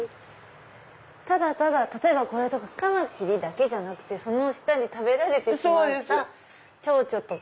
ただただ例えばこれとかカマキリだけじゃなくてその下に食べられてしまったチョウチョとか。